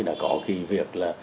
đã có việc